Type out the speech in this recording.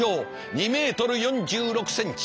２ｍ４６ｃｍ。